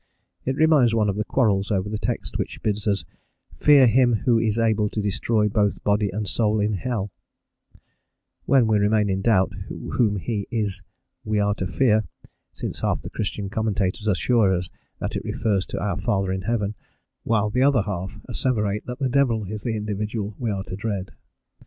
It reminds one of the quarrels over the text which bids us "fear him who is able to destroy both body and soul in hell," when we remain in doubt whom he is we are to fear, since half the Christian commentators assure us that it refers to our Father in heaven, while the other half asseverate that the devil is the individual we are to dread.